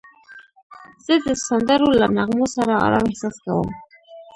زه د سندرو له نغمو سره آرام احساس کوم.